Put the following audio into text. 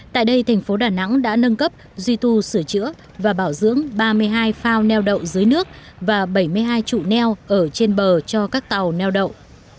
tại đây thành phố đà nẵng đã nâng cấp duy tu sửa chữa và bảo dưỡng ba mươi hai phao neo đậu dưới nước và bảy mươi hai trụ neo ở trên bờ cho các tàu neo đậu